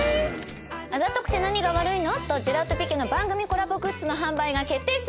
『あざとくて何が悪いの？』とｇｅｌａｔｏｐｉｑｕｅの番組コラボグッズの販売が決定しました！